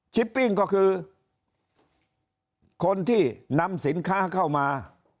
ปิ้งก็คือคนที่นำสินค้าเข้ามา